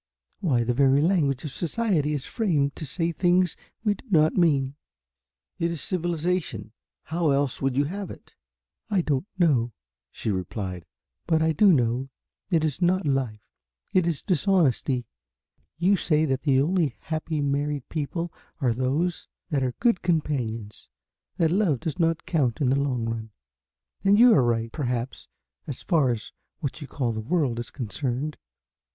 Why the very language of society is framed to say things we do not mean." "It is civilization. How else would you have it?" "I don't know," she replied, "but I do know it is not life. It is dishonesty. You say that the only happy married people are those that are good companions, that love does not count in the long run, and you are right, perhaps, as far as what you call the World is concerned.